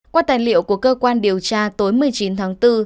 qua tài liệu của cơ quan điều tra tối một mươi chín tháng bốn